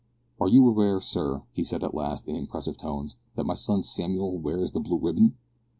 "Are you aware, sir," he said at last, in impressive tones, "that my son Samuel wears the blue ribbon?"